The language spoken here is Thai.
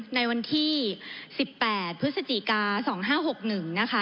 ในวันที่๑๘พฤศจิกา๒๕๖๑นะคะ